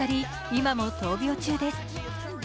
今も闘病中です。